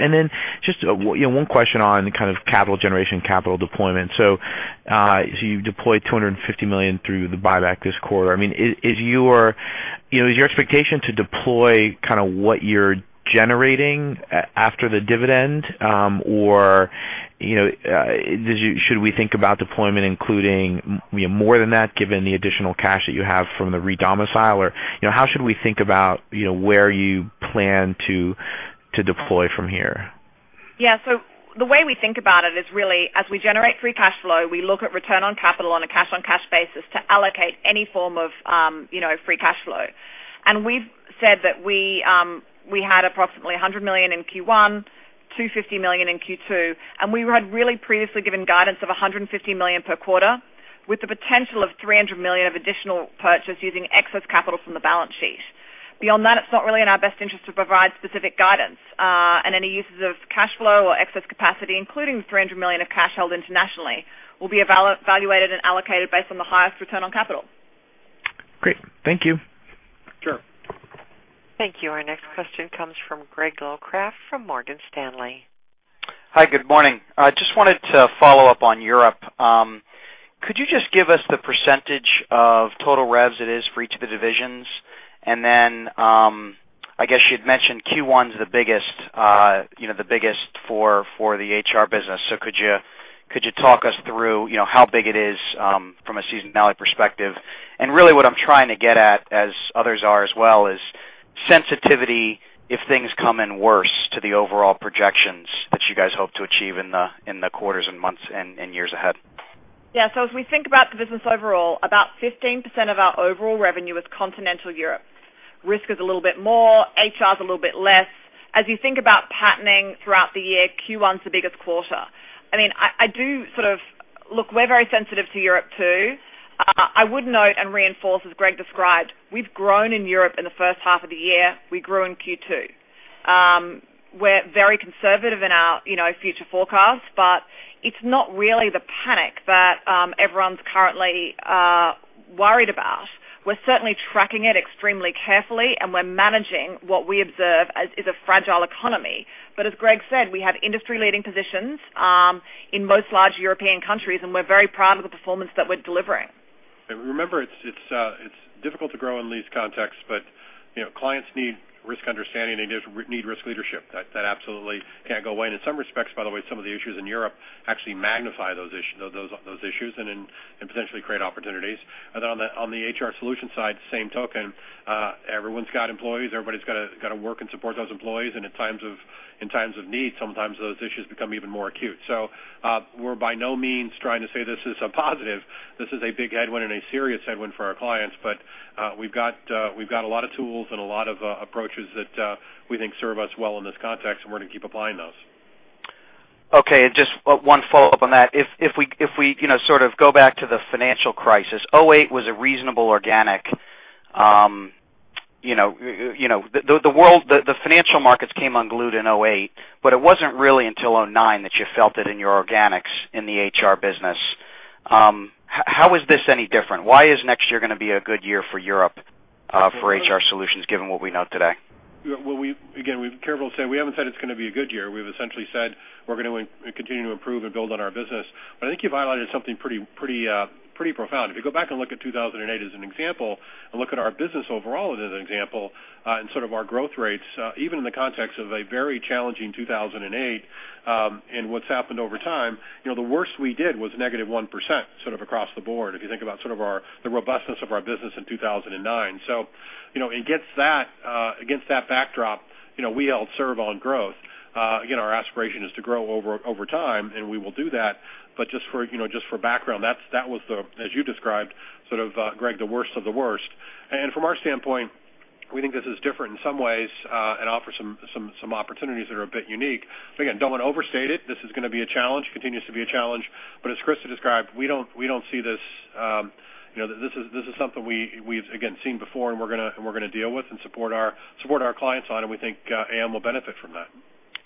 Just one question on kind of capital generation, capital deployment. You've deployed $250 million through the buyback this quarter. Is your expectation to deploy what you're generating after the dividend? Or should we think about deployment including more than that, given the additional cash that you have from the re-domicile? Or how should we think about where you plan to deploy from here? Yeah. The way we think about it is really, as we generate free cash flow, we look at return on capital on a cash-on-cash basis to allocate any form of free cash flow. We've said that we had approximately $100 million in Q1, $250 million in Q2, and we had really previously given guidance of $150 million per quarter, with the potential of $300 million of additional purchase using excess capital from the balance sheet. Beyond that, it's not really in our best interest to provide specific guidance. Any uses of cash flow or excess capacity, including the $300 million of cash held internationally, will be evaluated and allocated based on the highest return on capital. Great. Thank you. Sure. Thank you. Our next question comes from Gregory Locraft from Morgan Stanley. Hi. Good morning. Just wanted to follow up on Europe. Could you just give us the % of total revs it is for each of the divisions? I guess you'd mentioned Q1 is the biggest for the HR business. Could you talk us through how big it is from a seasonality perspective? Really what I'm trying to get at, as others are as well, is sensitivity if things come in worse to the overall projections that you guys hope to achieve in the quarters and months and years ahead. As we think about the business overall, about 15% of our overall revenue is continental Europe. Risk is a little bit more, HR is a little bit less. As you think about patterning throughout the year, Q1 is the biggest quarter. Look, we're very sensitive to Europe, too. I would note and reinforce, as Greg described, we've grown in Europe in the first half of the year. We grew in Q2. We're very conservative in our future forecasts, but it's not really the panic that everyone's currently worried about. We're certainly tracking it extremely carefully, and we're managing what we observe as a fragile economy. As Greg said, we have industry-leading positions in most large European countries, and we're very proud of the performance that we're delivering. Remember, it's difficult to grow in these contexts, but clients need risk understanding, and they need risk leadership. That absolutely can't go away. In some respects, by the way, some of the issues in Europe actually magnify those issues, and then potentially create opportunities. On the HR Solutions side, same token, everyone's got employees, everybody's got to work and support those employees, and in times of need, sometimes those issues become even more acute. We're by no means trying to say this is a positive. This is a big headwind and a serious headwind for our clients. We've got a lot of tools and a lot of approaches that we think serve us well in this context, and we're going to keep applying those. Okay, just one follow-up on that. If we go back to the financial crisis, the financial markets came unglued in 2008, but it wasn't really until 2009 that you felt it in your organics in the HR Solutions. How is this any different? Why is next year going to be a good year for Europe for HR Solutions, given what we know today? Again, we're careful to say we haven't said it's going to be a good year. We've essentially said we're going to continue to improve and build on our business. I think you've highlighted something pretty profound. If you go back and look at 2008 as an example, and look at our business overall as an example, and our growth rates, even in the context of a very challenging 2008, and what's happened over time, the worst we did was negative 1% across the board, if you think about the robustness of our business in 2009. Against that backdrop, we all serve on growth. Again, our aspiration is to grow over time, and we will do that. Just for background, that was the, as you described, Greg, the worst of the worst. From our standpoint, we think this is different in some ways, and offers some opportunities that are a bit unique. Again, don't want to overstate it. This is going to be a challenge, continues to be a challenge. As Christa described, this is something we've, again, seen before, and we're going to deal with and support our clients on, and we think Aon will benefit from that.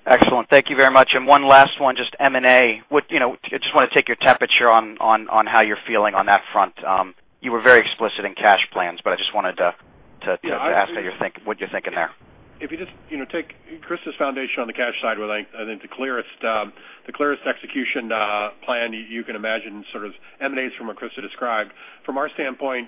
Excellent. Thank you very much. One last one, just M&A. I just want to take your temperature on how you're feeling on that front. You were very explicit in cash plans, I just wanted to ask what you're thinking there. If you just take Christa's foundation on the cash side, I think the clearest execution plan you can imagine emanates from what Christa described. From our standpoint,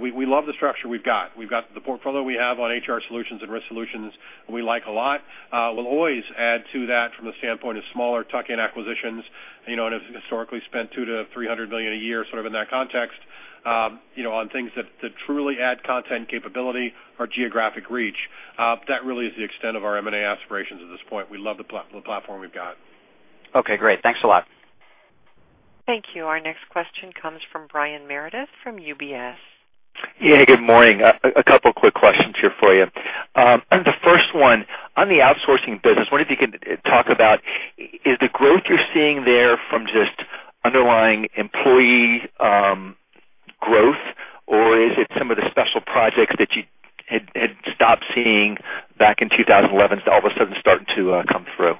we love the structure we've got. We've got the portfolio we have on HR Solutions and Risk Solutions we like a lot. We'll always add to that from the standpoint of smaller tuck-in acquisitions, and have historically spent $200 million to $300 million a year in that context on things that truly add content capability or geographic reach. That really is the extent of our M&A aspirations at this point. We love the platform we've got. Okay, great. Thanks a lot. Thank you. Our next question comes from Brian Meredith from UBS. Yeah, good morning. A couple quick questions here for you. The first one, on the outsourcing business, wonder if you can talk about, is the growth you're seeing there from just underlying employee growth, or is it some of the special projects that you had stopped seeing back in 2011 that all of a sudden are starting to come through?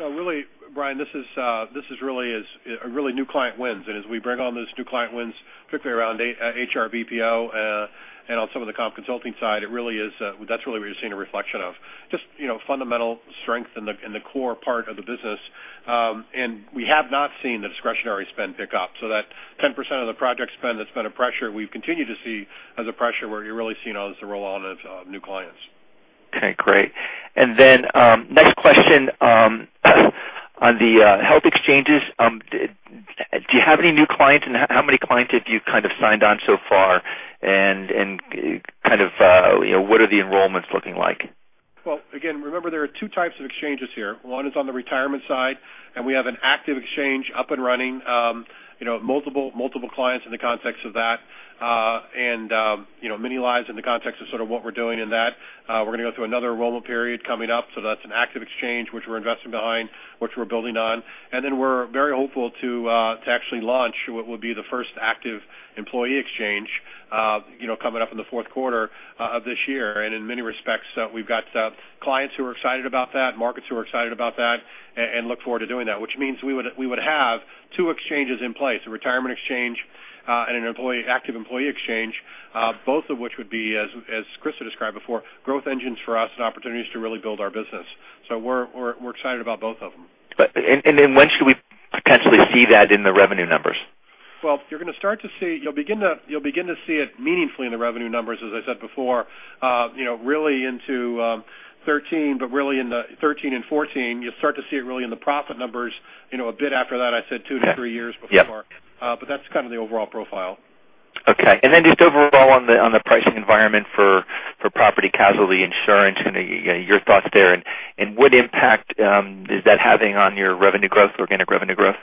Really, Brian, this is really new client wins. As we bring on those new client wins, particularly around HRBPO, and on some of the comp consulting side, that's really what you're seeing a reflection of. Just fundamental strength in the core part of the business. We have not seen the discretionary spend pick up. That 10% of the project spend that's been a pressure, we've continued to see as a pressure where you're really seeing all this roll-on of new clients. Okay, great. Next question on the health exchanges. Do you have any new clients, and how many clients have you signed on so far, and what are the enrollments looking like? Well, again, remember there are 2 types of exchanges here. One is on the retirement side, we have an active exchange up and running, multiple clients in the context of that. Many lives in the context of what we're doing in that. We're going to go through another enrollment period coming up, that's an active exchange which we're investing behind, which we're building on. We're very hopeful to actually launch what will be the first active employee exchange, coming up in the fourth quarter of this year. In many respects, we've got clients who are excited about that, markets who are excited about that, and look forward to doing that, which means we would have two exchanges in place, a retirement exchange, and an active employee exchange, both of which would be, as Christa described before, growth engines for us and opportunities to really build our business. We're excited about both of them. When should we potentially see that in the revenue numbers? Well, you'll begin to see it meaningfully in the revenue numbers, as I said before, really into 2013, but really in 2013 and 2014. You'll start to see it really in the profit numbers a bit after that. I said two to three years before. Yeah. That's the overall profile. Okay. Just overall on the pricing environment for property casualty insurance, your thoughts there, and what impact is that having on your revenue growth, organic revenue growth?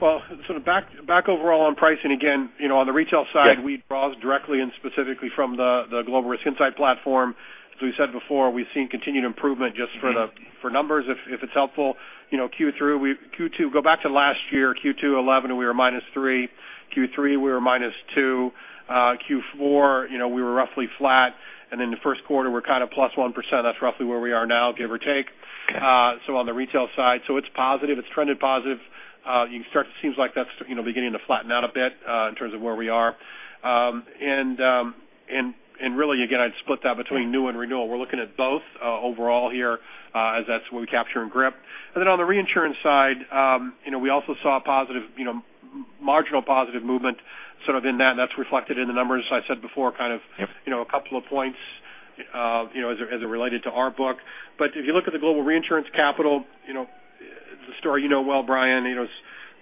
Well, back overall on pricing again, on the retail side. Yes we draw directly and specifically from the Global Risk Insight Platform. As we said before, we've seen continued improvement just for numbers, if it's helpful. Q2, go back to last year, Q2 2011, we were -3%. Q3, we were -2%. Q4, we were roughly flat. In the first quarter, we're kind of +1%. That's roughly where we are now, give or take. On the retail side. It's positive, it's trended positive. It seems like that's beginning to flatten out a bit in terms of where we are. Really, again, I'd split that between new and renewal. We're looking at both overall here, as that's what we capture in GRIP. On the reinsurance side, we also saw marginal positive movement sort of in that, and that's reflected in the numbers. As I said before. Yep a couple of points as it related to our book. If you look at the global reinsurance capital, it's a story you know well, Brian.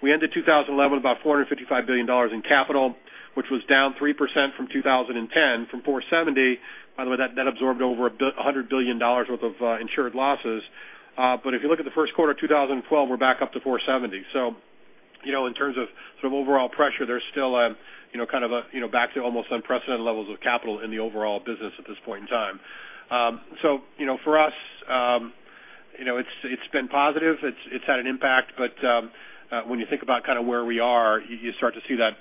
We ended 2011 with about $455 billion in capital, which was down 3% from 2010 from $470 billion. By the way, that absorbed over $100 billion worth of insured losses. If you look at the first quarter of 2012, we're back up to $470 billion. In terms of overall pressure, there's still back to almost unprecedented levels of capital in the overall business at this point in time. For us, it's been positive. It's had an impact, but when you think about where we are, you start to see that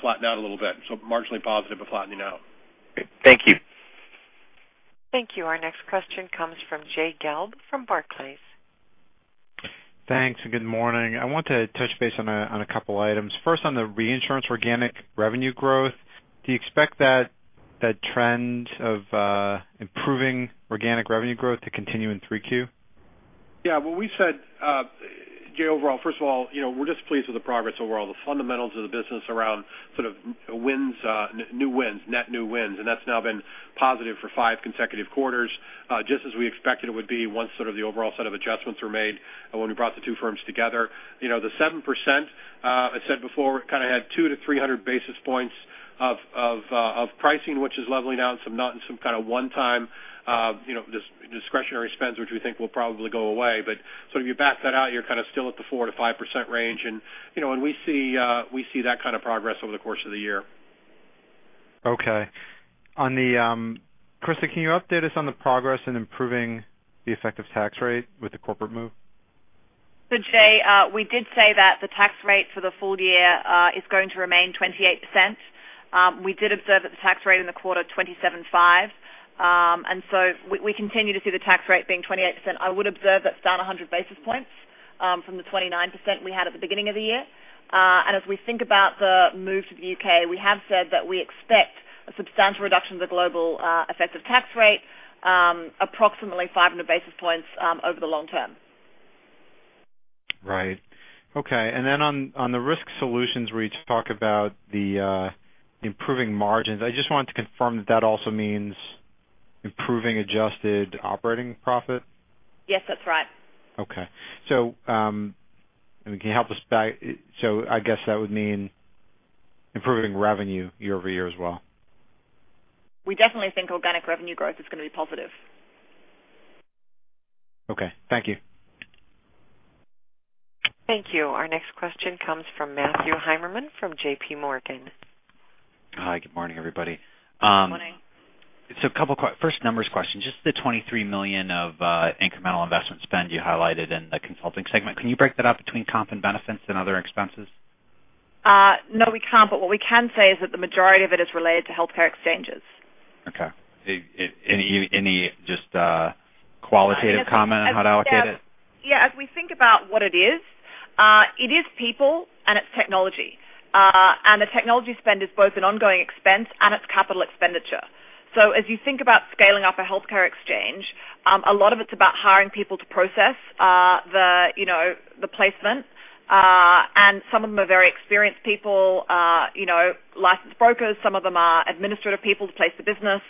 flatten out a little bit. Marginally positive but flattening out. Thank you. Thank you. Our next question comes from Jay Gelb from Barclays. Thanks. Good morning. I want to touch base on a couple items. First, on the reinsurance organic revenue growth, do you expect that trend of improving organic revenue growth to continue in 3Q? Yeah, Jay, overall, first of all, we're just pleased with the progress overall. The fundamentals of the business around new wins, net new wins, that's now been positive for five consecutive quarters, just as we expected it would be once the overall set of adjustments were made when we brought the two firms together. The 7%, I said before, kind of had 200 to 300 basis points of pricing, which is leveling out and some kind of one-time discretionary spends, which we think will probably go away. If you back that out, you're kind of still at the 4%-5% range. We see that kind of progress over the course of the year. Okay. Christa, can you update us on the progress in improving the effective tax rate with the corporate move? Jay, we did say that the tax rate for the full year is going to remain 28%. We did observe that the tax rate in the quarter, 27.5. We continue to see the tax rate being 28%. I would observe that's down 100 basis points from the 29% we had at the beginning of the year. As we think about the move to the U.K., we have said that we expect a substantial reduction of the global effective tax rate, approximately 500 basis points over the long term. Right. Okay. On the Risk Solutions where you talk about the improving margins, I just wanted to confirm that that also means improving adjusted operating profit? Yes, that's right. Okay. I guess that would mean improving revenue year-over-year as well. We definitely think organic revenue growth is going to be positive. Okay. Thank you. Thank you. Our next question comes from Matthew Heimermann from JPMorgan. Hi. Good morning, everybody. Good morning. First numbers question. Just the $23 million of incremental investment spend you highlighted in the consulting segment. Can you break that up between comp and benefits and other expenses? No, we can't. What we can say is that the majority of it is related to healthcare exchanges. Okay. Any just qualitative comment on how to allocate it? Yeah. As we think about what it is, it is people and it's technology. The technology spend is both an ongoing expense and it's capital expenditure. As you think about scaling up a healthcare exchange, a lot of it's about hiring people to process the placement. Some of them are very experienced people, licensed brokers, some of them are administrative people to place the business.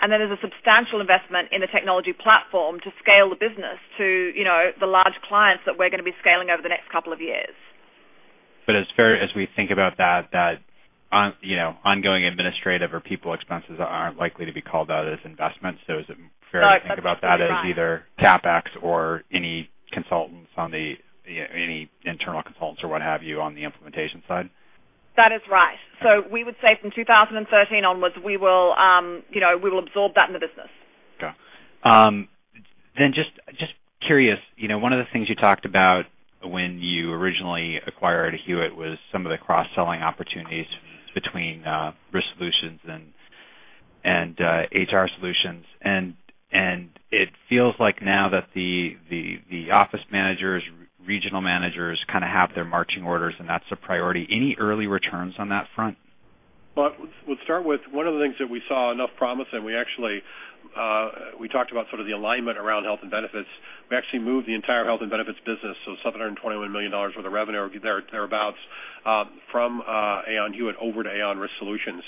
Then there's a substantial investment in the technology platform to scale the business to the large clients that we're going to be scaling over the next couple of years. It's fair as we think about that ongoing administrative or people expenses aren't likely to be called out as investments. Is it fair to think about that? That's right. As either CapEx or any internal consultants, or what have you, on the implementation side? That is right. Okay. We would say from 2013 onwards, we will absorb that in the business. Got it. Just curious, one of the things you talked about when you originally acquired Hewitt was some of the cross-selling opportunities between Risk Solutions and HR Solutions. It feels like now that the office managers, regional managers kind of have their marching orders, and that's a priority. Any early returns on that front? Well, let's start with one of the things that we saw enough promise, and we talked about the alignment around health and benefits. We actually moved the entire health and benefits business, so $721 million worth of revenue or thereabouts, from Aon Hewitt over to Aon Risk Solutions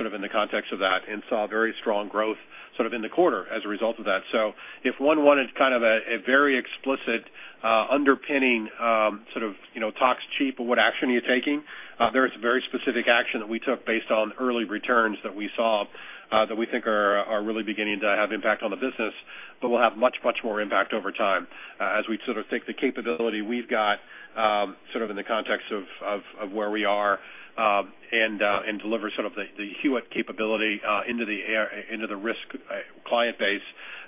in the context of that, and saw very strong growth in the quarter as a result of that. If one wanted a very explicit underpinning, talk's cheap, but what action are you taking? There is a very specific action that we took based on early returns that we saw that we think are really beginning to have impact on the business, but will have much more impact over time as we take the capability we've got in the context of where we are and deliver the Hewitt capability into the risk client base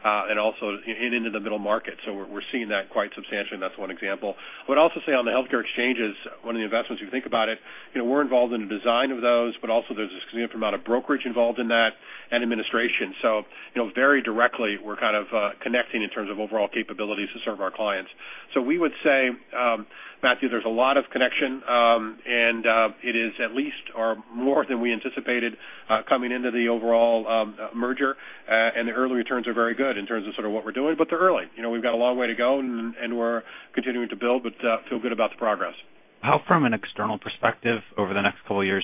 and also into the middle market. We're seeing that quite substantially, and that's one example. I would also say on the healthcare exchanges, one of the investments, if you think about it, we're involved in the design of those, but also there's a significant amount of brokerage involved in that and administration. Very directly, we're connecting in terms of overall capabilities to serve our clients. We would say, Matthew, there's a lot of connection, and it is at least or more than we anticipated coming into the overall merger. The early returns are very good in terms of what we're doing, but they're early. We've got a long way to go, and we're continuing to build, but feel good about the progress. How, from an external perspective over the next couple of years,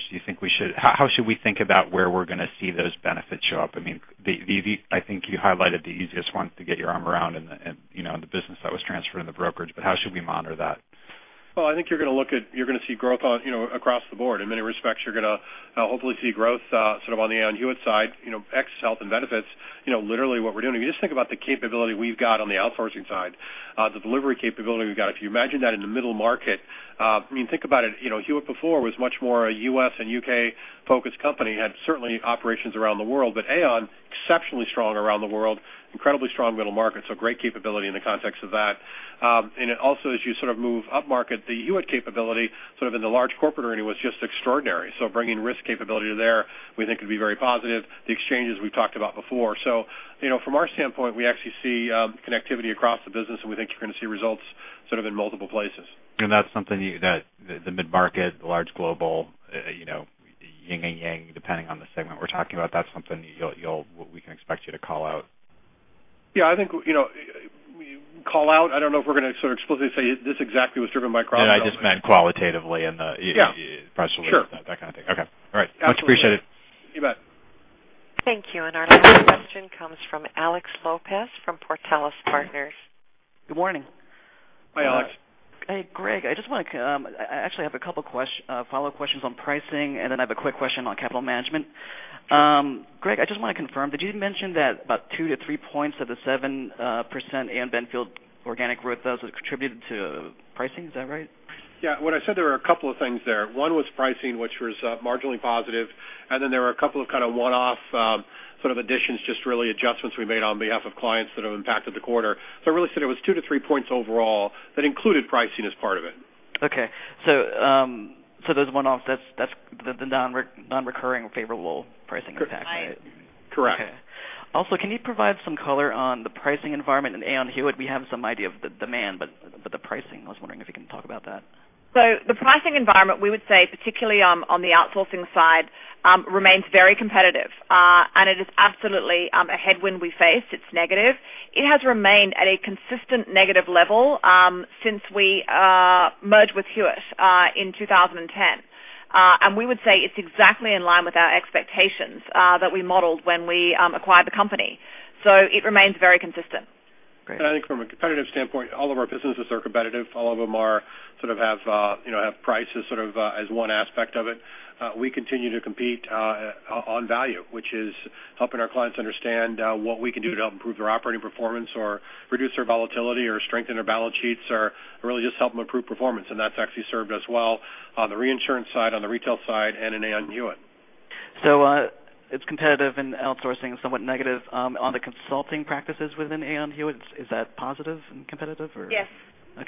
how should we think about where we're going to see those benefits show up? I think you highlighted the easiest ones to get your arm around in the business that was transferred in the brokerage, but how should we monitor that? Well, I think you're going to see growth across the board. In many respects, you're going to hopefully see growth on the Aon Hewitt side, ex health and benefits. Literally what we're doing, if you just think about the capability we've got on the outsourcing side, the delivery capability we've got, if you imagine that in the middle market. Think about it. Hewitt before was much more a U.S. and U.K.-focused company, had certainly operations around the world, but Aon, exceptionally strong around the world, incredibly strong middle market, so great capability in the context of that. It also, as you move upmarket, the Hewitt capability in the large corporate arena was just extraordinary. Bringing risk capability there we think would be very positive. The exchanges we've talked about before. From our standpoint, we actually see connectivity across the business, and we think you're going to see results in multiple places. That's something that the mid-market, the large global, yin and yang, depending on the segment we're talking about, that's something we can expect you to call out? Yeah, call out, I don't know if we're going to explicitly say this exactly was driven by cross-selling. I just meant qualitatively in the- Yeah. -press release. Sure. That kind of thing. Okay. All right. Absolutely. Much appreciated. You bet. Thank you. Our last question comes from Alex Lopez from Portales Partners. Good morning. Hi, Alex. Hey, Greg. I actually have a couple follow-up questions on pricing, then I have a quick question on capital management. Greg, I just want to confirm, did you mention that about two to three points of the 7% Aon Benfield organic growth does contribute to pricing? Is that right? Yeah. When I said there were a couple of things there, one was pricing, which was marginally positive, then there were a couple of one-off additions, just really adjustments we made on behalf of clients that have impacted the quarter. I really said it was two to three points overall that included pricing as part of it. Okay. Those one-offs, that is the non-recurring favorable pricing impact. Correct. Okay. Can you provide some color on the pricing environment in Aon Hewitt? We have some idea of the demand, but the pricing, I was wondering if you can talk about that. The pricing environment, we would say, particularly on the outsourcing side, remains very competitive. It is absolutely a headwind we faced. It's negative. It has remained at a consistent negative level since we merged with Hewitt in 2010. We would say it's exactly in line with our expectations that we modeled when we acquired the company. It remains very consistent. Great. I think from a competitive standpoint, all of our businesses are competitive. All of them have prices as one aspect of it. We continue to compete on value, which is helping our clients understand what we can do to help improve their operating performance or reduce their volatility or strengthen their balance sheets, or really just help them improve performance. That's actually served us well on the reinsurance side, on the retail side, and in Aon Hewitt. It's competitive in outsourcing, somewhat negative on the consulting practices within Aon Hewitt. Is that positive and competitive or? Yes. Okay.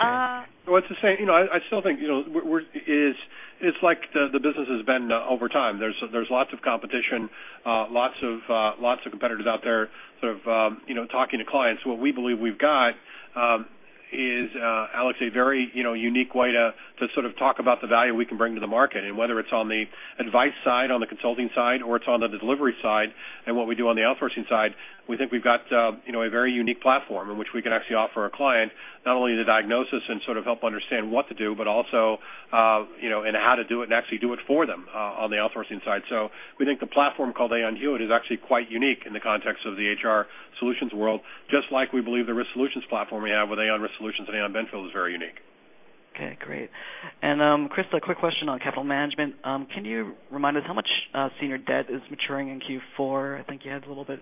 Well, it's the same. I still think it's like the business has been over time. There's lots of competition, lots of competitors out there talking to clients. What we believe we've got is, Alex, a very unique way to talk about the value we can bring to the market, whether it's on the advice side, on the consulting side, or it's on the delivery side and what we do on the outsourcing side, we think we've got a very unique platform in which we can actually offer a client not only the diagnosis and help understand what to do, but also and how to do it and actually do it for them on the outsourcing side. We think the platform called Aon Hewitt is actually quite unique in the context of the HR Solutions world, just like we believe the Risk Solutions platform we have with Aon Risk Solutions and Aon Benfield is very unique. Okay, great. Christa, a quick question on capital management. Can you remind us how much senior debt is maturing in Q4? I think you had a little bit.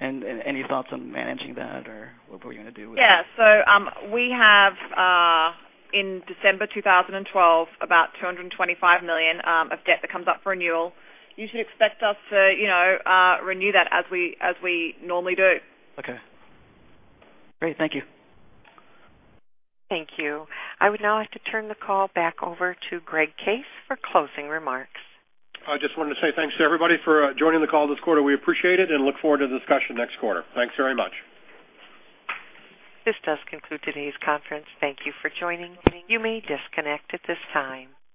Any thoughts on managing that or what we're going to do with it? Yeah. We have in December 2012, about $225 million of debt that comes up for renewal. You should expect us to renew that as we normally do. Okay. Great. Thank you. Thank you. I would now like to turn the call back over to Greg Case for closing remarks. I just wanted to say thanks to everybody for joining the call this quarter. We appreciate it and look forward to the discussion next quarter. Thanks very much. This does conclude today's conference. Thank you for joining. You may disconnect at this time.